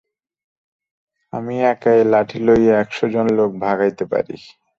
আমি একা এই লাঠি লইয়া একশ জন লােক ভাগাইতে পারি!